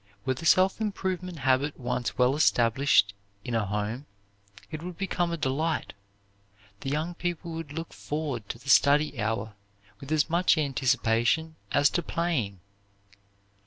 Were the self improvement habit once well established in a home, it would become a delight. The young people would look forward to the study hour with as much anticipation as to playing.